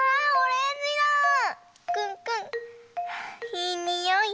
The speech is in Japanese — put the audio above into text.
いいにおい。